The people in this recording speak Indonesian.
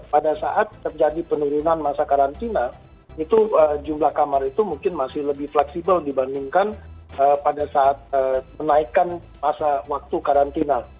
pada saat terjadi penurunan masa karantina itu jumlah kamar itu mungkin masih lebih fleksibel dibandingkan pada saat menaikkan masa waktu karantina